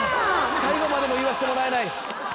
最後までも言わしてもらえない！